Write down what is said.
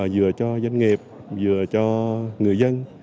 vừa cho doanh nghiệp vừa cho người dân